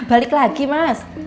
balik lagi mas